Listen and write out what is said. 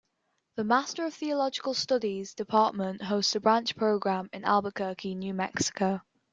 The Master of Theological Studies department hosts a branch program in Albuquerque, New Mexico.